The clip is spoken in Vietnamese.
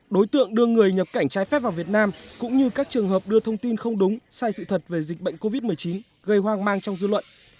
đối tượng đưa người nhập cảnh trái phép vào việt nam cũng như các trường hợp đưa thông tin không đúng sai sự thật về dịch bệnh covid một mươi chín gây hoang mang trong dư luận